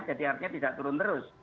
artinya tidak turun terus